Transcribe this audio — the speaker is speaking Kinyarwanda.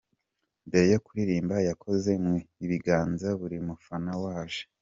Mbere yo kuririmba yakoze mu biganza buri mufana waje.